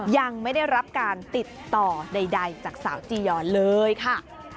ยังไม่ได้รับการติดต่อใดจากสาวจียอนเลยค่ะ